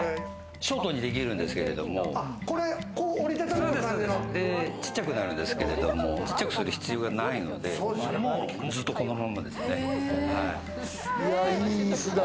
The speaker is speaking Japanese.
ショートにできるんですけれども、ちっちゃくなるんですけれども、小っちゃくする必要がないので、ずっと、このままですね。